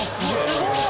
すごい。